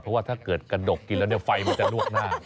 เพราะว่าถ้าเกิดกระดกกินแล้วไฟมันจะลวกหน้า